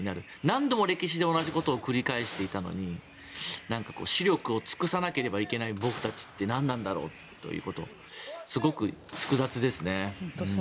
何度も歴史で同じことを繰り返していたのに死力を尽くさなきゃいけない僕たちってなんなんだろうとすごく複雑ですね。